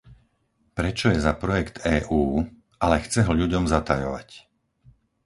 Prečo je za projekt EÚ, ale chce ho ľuďom zatajovať?